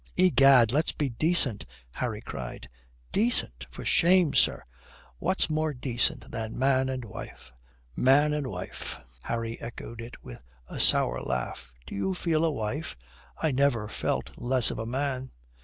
"Egad, let's be decent!" Harry cried. "Decent! For shame, sir! What's more decent than man and wife?" "Man and wife!" Harry echoed it with a sour laugh. "Do you feel a wife? I never felt less of a man."